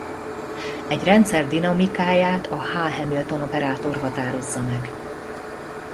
Egy rendszer dinamikáját a H Hamilton-operátor határozza meg.